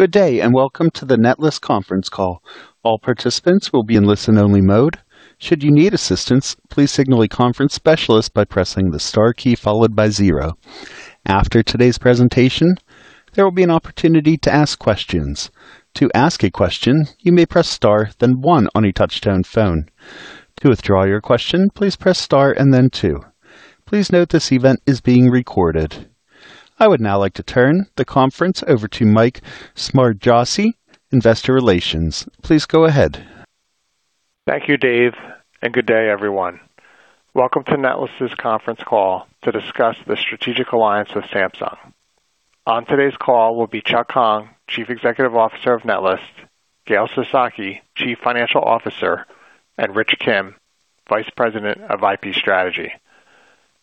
Good day, and welcome to the Netlist conference call. All participants will be in listen-only mode. Should you need assistance, please signal a conference specialist by pressing the star key followed by zero. After today's presentation, there will be an opportunity to ask questions. To ask a question, you may press star, then one on a touch-tone phone. To withdraw your question, please press star and then two. Please note this event is being recorded. I would now like to turn the conference over to Mike Smarsgiassi, investor relations. Please go ahead. Thank you, Dave, and good day, everyone. Welcome to Netlist's conference call to discuss the strategic alliance with Samsung. On today's call will be Chuck Hong, Chief Executive Officer of Netlist, Gail Sasaki, Chief Financial Officer, and Rich Kim, Vice President of IP Strategy.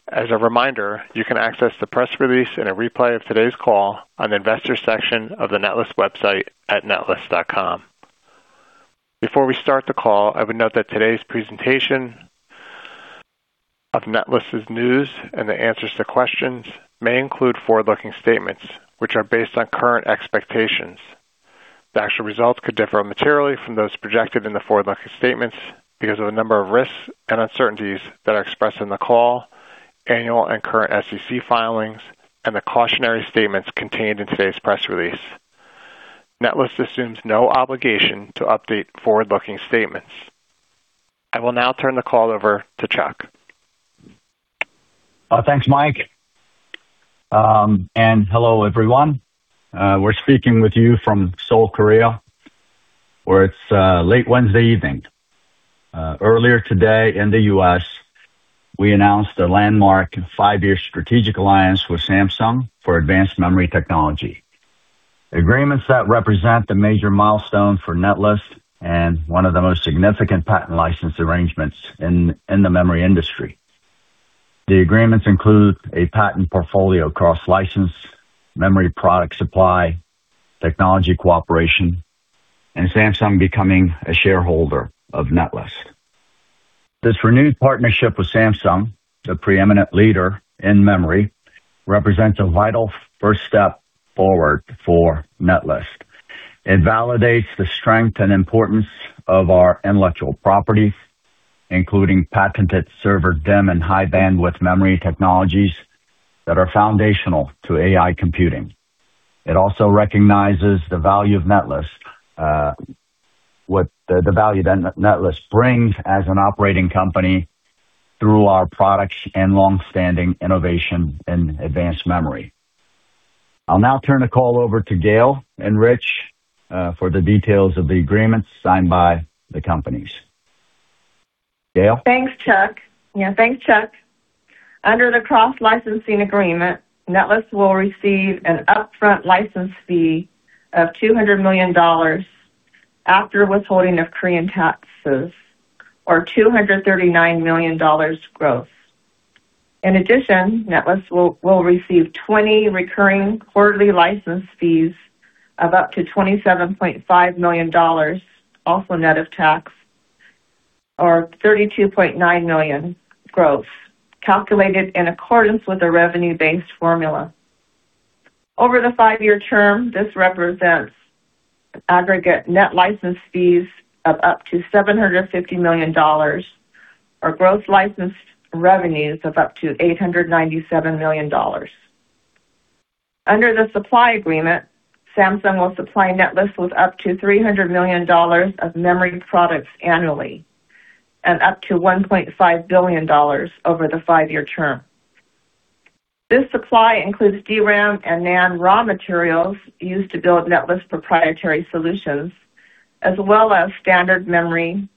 As a reminder, you can access the press release and a replay of today's call on the investor section of the netlist.com website. Before we start the call, I would note that today's presentation of Netlist's news and the answers to questions may include forward-looking statements, which are based on current expectations. The actual results could differ materially from those projected in the forward-looking statements because of the number of risks and uncertainties that are expressed in the call, annual and current SEC filings, and the cautionary statements contained in today's press release. Netlist assumes no obligation to update forward-looking statements. I will now turn the call over to Chuck. Thanks, Mike. Hello, everyone. We're speaking with you from Seoul, Korea, where it's late Wednesday evening. Earlier today in the U.S., we announced a landmark five-year strategic alliance with Samsung for advanced memory technology. Agreements that represent the major milestone for Netlist and one of the most significant patent license arrangements in the memory industry. The agreements include a patent portfolio, cross-license, memory product supply, technology cooperation, and Samsung becoming a shareholder of Netlist. This renewed partnership with Samsung, the preeminent leader in memory, represents a vital first step forward for Netlist. It validates the strength and importance of our intellectual property, including patented server DIMM and high-bandwidth memory technologies that are foundational to AI computing. It also recognizes the value of Netlist, what the value that Netlist brings as an operating company through our products and long-standing innovation in advanced memory. I'll now turn the call over to Gail and Rich for the details of the agreements signed by the companies. Gail? Thanks, Chuck. Under the cross-licensing agreement, Netlist will receive an upfront license fee of $200 million after withholding of Korean taxes, or $239 million gross. In addition, Netlist will receive 20 recurring quarterly license fees of up to $27.5 million, also net of tax, or $32.9 million gross, calculated in accordance with a revenue-based formula. Over the five-year term, this represents aggregate net license fees of up to $750 million or gross licensed revenues of up to $897 million. Under the supply agreement, Samsung will supply Netlist with up to $300 million of memory products annually and up to $1.5 billion over the five-year term. This supply includes DRAM and NAND raw materials used to build Netlist proprietary solutions, as well as standard memory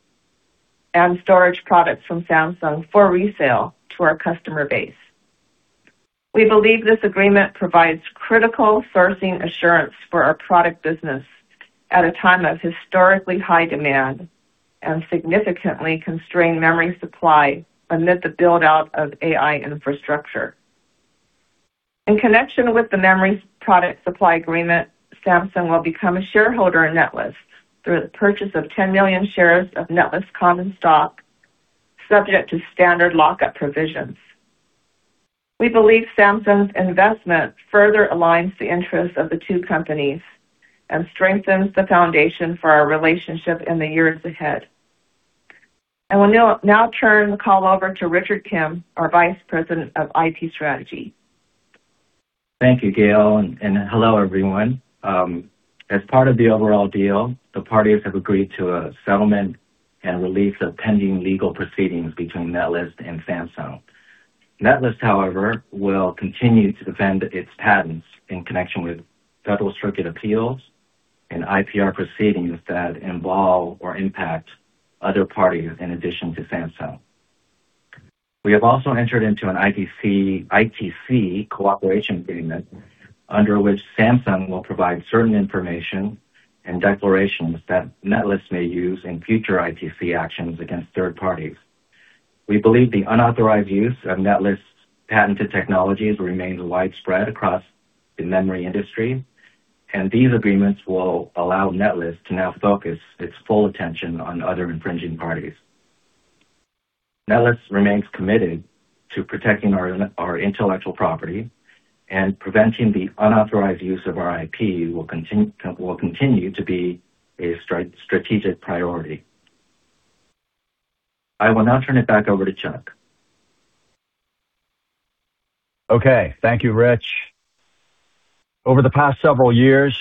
and storage products from Samsung for resale to our customer base. We believe this agreement provides critical sourcing assurance for our product business at a time of historically high demand and significantly constrained memory supply amid the build-out of AI infrastructure. In connection with the memory product supply agreement, Samsung will become a shareholder in Netlist through the purchase of 10 million shares of Netlist common stock, subject to standard lock-up provisions. We believe Samsung's investment further aligns the interests of the two companies and strengthens the foundation for our relationship in the years ahead. I will now turn the call over to Richard Kim, our Vice President of IP Strategy. Thank you, Gail, and hello, everyone. As part of the overall deal, the parties have agreed to a settlement and release of pending legal proceedings between Netlist and Samsung. Netlist, however, will continue to defend its patents in connection with Federal Circuit appeals and IPR proceedings that involve or impact other parties in addition to Samsung. We have also entered into an ITC cooperation agreement under which Samsung will provide certain information and declarations that Netlist may use in future ITC actions against third parties. We believe the unauthorized use of Netlist's patented technologies remains widespread across the memory industry, and these agreements will allow Netlist to now focus its full attention on other infringing parties. Netlist remains committed to protecting our intellectual property, and preventing the unauthorized use of our IP will continue to be a strategic priority. I will now turn it back over to Chuck. Okay. Thank you, Rich. Over the past several years,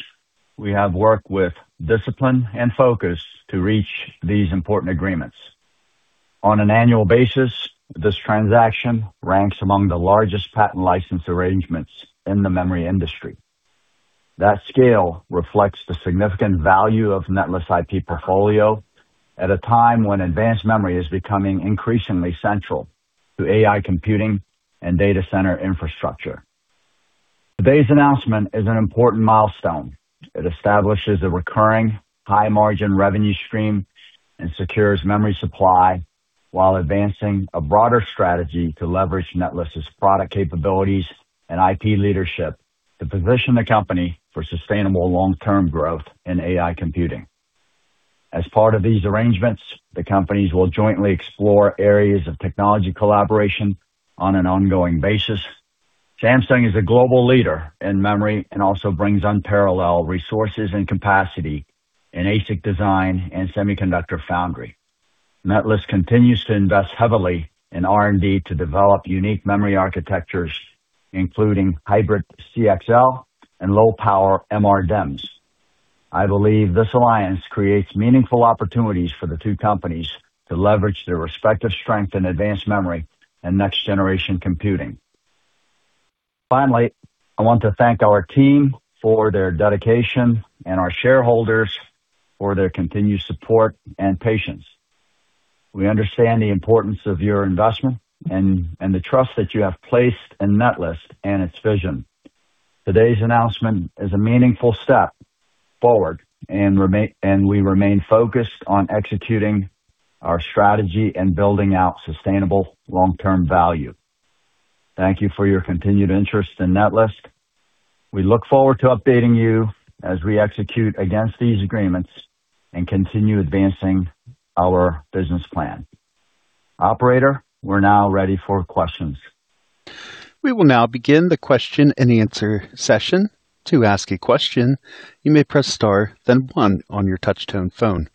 we have worked with discipline and focus to reach these important agreements. On an annual basis, this transaction ranks among the largest patent license arrangements in the memory industry. That scale reflects the significant value of Netlist's IP portfolio at a time when advanced memory is becoming increasingly central to AI computing and data center infrastructure. Today's announcement is an important milestone. It establishes a recurring high margin revenue stream and secures memory supply while advancing a broader strategy to leverage Netlist's product capabilities and IP leadership to position the company for sustainable long-term growth in AI computing. As part of these arrangements, the companies will jointly explore areas of technology collaboration on an ongoing basis. Samsung is a global leader in memory and also brings unparalleled resources and capacity in ASIC design and semiconductor foundry. Netlist continues to invest heavily in R&D to develop unique memory architectures, including hybrid CXL and low power MRDIMMs. I believe this alliance creates meaningful opportunities for the two companies to leverage their respective strength in advanced memory and next generation computing. Finally, I want to thank our team for their dedication and our shareholders for their continued support and patience. We understand the importance of your investment and the trust that you have placed in Netlist and its vision. Today's announcement is a meaningful step forward, we remain focused on executing our strategy and building out sustainable long-term value. Thank you for your continued interest in Netlist. We look forward to updating you as we execute against these agreements and continue advancing our business plan. Operator, we're now ready for questions. We will now begin the question and answer session. To ask a question, you may press star then one on your touchtone phone.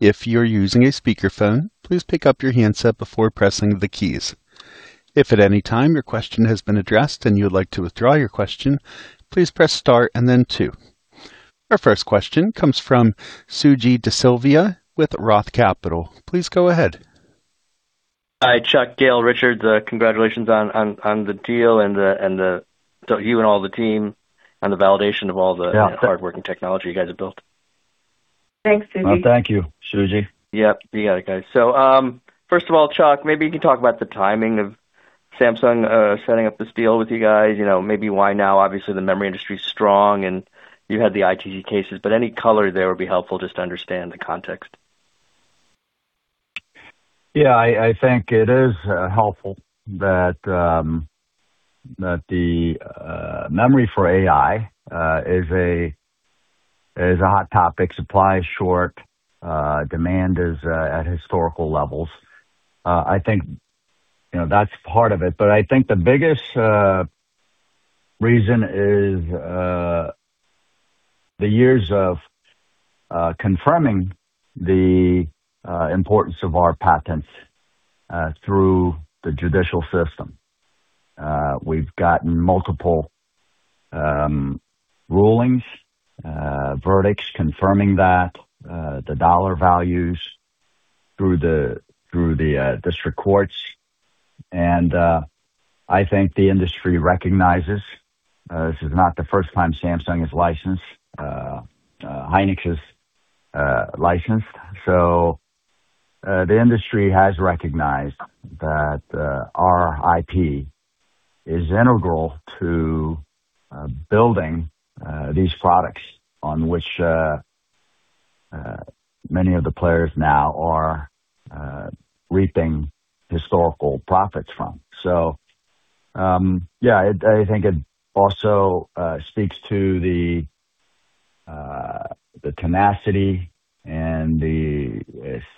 If you're using a speakerphone, please pick up your handset before pressing the keys. If at any time your question has been addressed and you would like to withdraw your question, please press star and then two. Our first question comes from Suji Desilva with Roth Capital. Please go ahead. Hi, Chuck, Gail, Richard. Congratulations on the deal, you and all the team on the validation. Yeah. hard working technology you guys have built. Thanks, Suji. Well, thank you, Suji. Yep. You got it, guys. First of all, Chuck, maybe you can talk about the timing of Samsung setting up this deal with you guys. Maybe why now? Obviously, the memory industry is strong and you had the ITC cases, but any color there would be helpful just to understand the context. I think it is helpful that the memory for AI is a hot topic. Supply is short, demand is at historical levels. I think that's part of it. But I think the biggest reason is the years of confirming the importance of our patents through the judicial system. We've gotten multiple rulings, verdicts confirming that, the dollar values through the district courts. The industry recognizes this is not the first time Samsung has licensed, Hynix is licensed. The industry has recognized that our IP is integral to building these products on which many of the players now are reaping historical profits from. I think it also speaks to the tenacity and the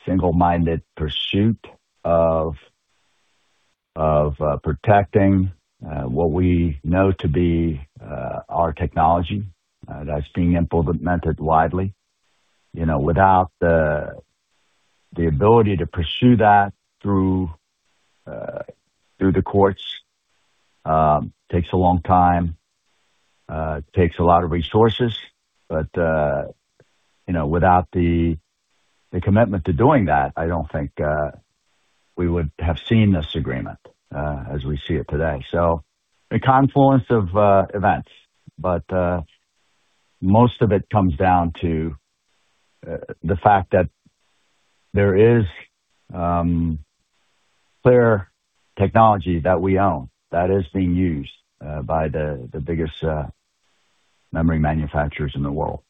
single-minded pursuit of protecting what we know to be our technology that's being implemented widely. Without the ability to pursue that through the courts, takes a long time, takes a lot of resources, but without the commitment to doing that, I don't think we would have seen this agreement as we see it today. A confluence of events, but most of it comes down to the fact that there is clear technology that we own that is being used by the biggest memory manufacturers in the world.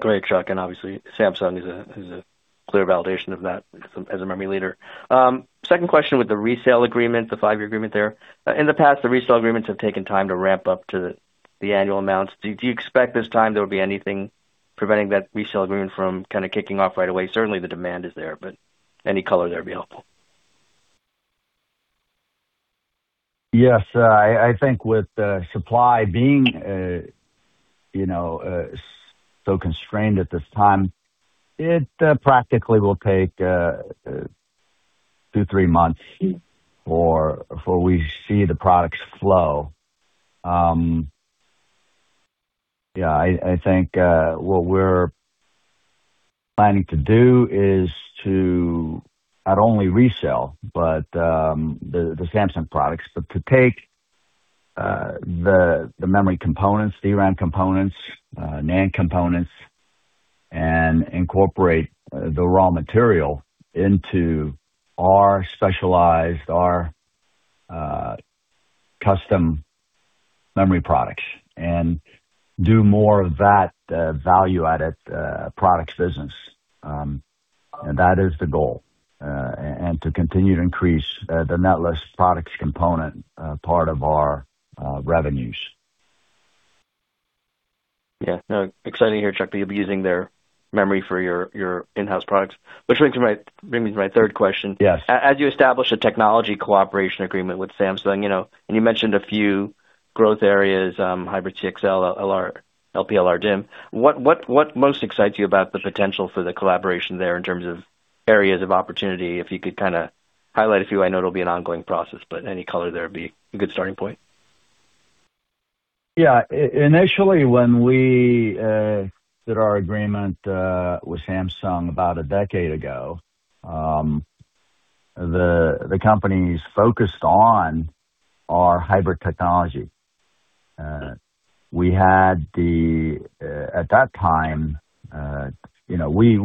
Great, Chuck, obviously Samsung is a clear validation of that as a memory leader. Second question with the resale agreement, the five-year agreement there. In the past, the resale agreements have taken time to ramp up to the annual amounts. Do you expect this time there'll be anything preventing that resale agreement from kicking off right away? Certainly, the demand is there, but any color there would be helpful. Yes. I think with supply being so constrained at this time, it practically will take two, three months before we see the products flow. I think what we're planning to do is to not only resell the Samsung products, but to take the memory components, DRAM components, NAND components, and incorporate the raw material into our specialized, our custom memory products and do more of that value-added products business. That is the goal, and to continue to increase the Netlist products component part of our revenues. Yeah. No, exciting to hear, Chuck, that you'll be using their memory for your in-house products, which brings me to my third question. Yes. As you establish a technology cooperation agreement with Samsung, and you mentioned a few growth areas, hybrid CXL, LPDIMM, MRDIMM, what most excites you about the potential for the collaboration there in terms of areas of opportunity? If you could highlight a few. I know it'll be an ongoing process, but any color there would be a good starting point. Yeah. Initially, when we did our agreement with Samsung about a decade ago, the companies focused on our hybrid technology. At that time, we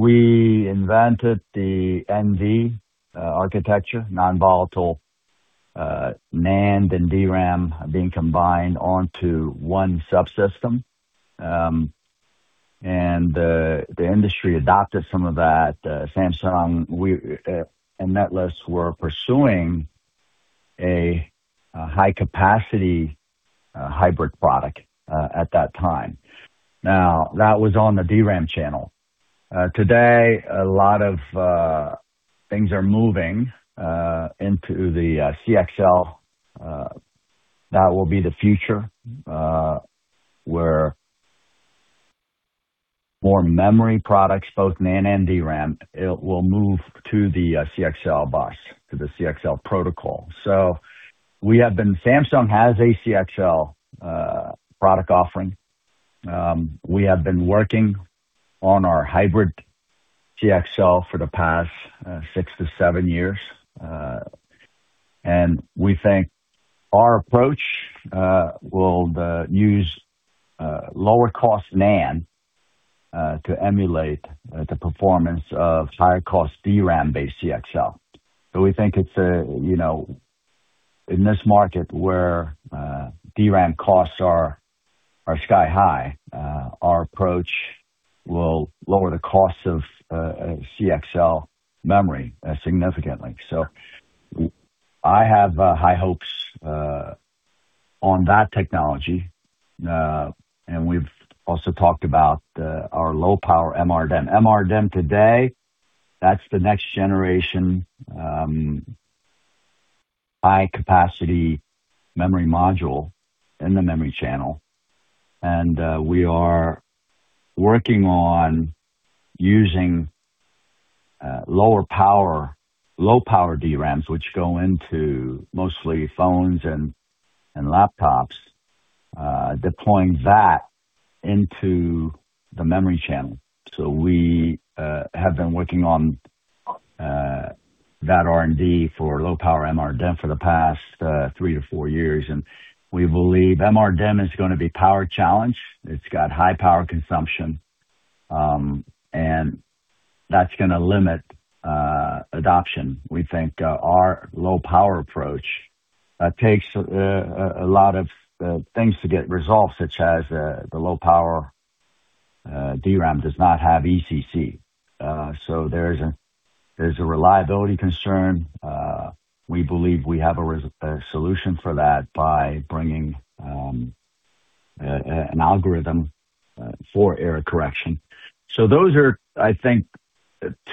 invented the NV architecture, non-volatile NAND and DRAM being combined onto one subsystem. The industry adopted some of that. Samsung and Netlist were pursuing a high-capacity hybrid product at that time. That was on the DRAM channel. Today, a lot of things are moving into the CXL. That will be the future, where more memory products, both NAND and DRAM, it will move to the CXL bus, to the CXL protocol. Samsung has a CXL product offering. We have been working on our hybrid CXL for the past six to seven years. We think our approach will use lower cost NAND to emulate the performance of higher cost DRAM-based CXL. We think in this market where DRAM costs are sky high, our approach will lower the cost of CXL memory significantly. I have high hopes on that technology. We've also talked about our low power MRDIMM. MRDIMM today, that's the next generation high-capacity memory module in the memory channel, and we are working on using low power DRAMs, which go into mostly phones and laptops, deploying that into the memory channel. We have been working on that R&D for low power MRDIMM for the past three to four years, and we believe MRDIMM is going to be power challenged. It's got high power consumption, and that's going to limit adoption. We think our low power approach takes a lot of things to get resolved, such as the low power DRAM does not have ECC. There's a reliability concern. We believe we have a solution for that by bringing an algorithm for error correction. Those are, I think,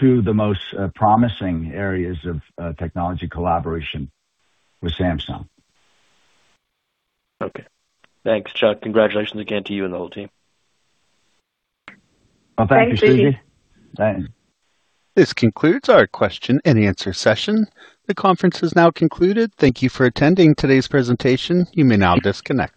two of the most promising areas of technology collaboration with Samsung. Okay. Thanks, Chuck. Congratulations again to you and the whole team. Well, thank you, Suji. Thanks. This concludes our question and answer session. The conference has now concluded. Thank you for attending today's presentation. You may now disconnect.